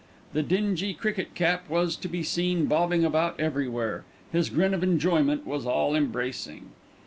The dingy cricket cap was to be seen bobbing about everywhere, his grin of enjoyment was all embracing.